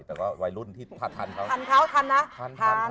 แต่ว่าวัยรุ่นที่ทันเขา